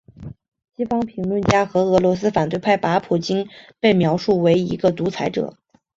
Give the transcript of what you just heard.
西方评论家和俄罗斯反对派把普京被描述为一个独裁者。